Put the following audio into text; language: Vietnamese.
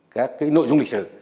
các cái nội dung lịch sử